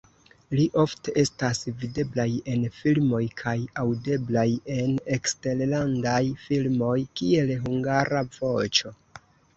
Li ofte estas videblaj en filmoj kaj aŭdeblaj en eksterlandaj filmoj (kiel hungara voĉo).